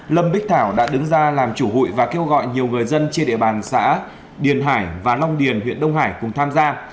lâm bích thảo đã đứng ra làm chủ hụi và kêu gọi nhiều người dân trên địa bàn xã điền hải và long điền huyện đông hải cùng tham gia